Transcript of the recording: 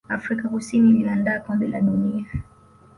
afrika kusini iliandaa kombe la dunia